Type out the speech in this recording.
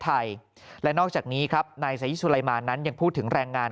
ไทยและนอกจากนี้ครับนายสายิชุลัยมานั้นยังพูดถึงแรงงาน